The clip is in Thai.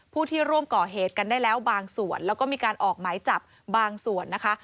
ผู้ที่ร่วมก่อเหตุกันได้แล้วบางส่วนแล้วก็มีการออกหมายจับบางส่วนนะคะ